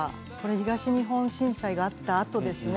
東日本大震災があったあとです。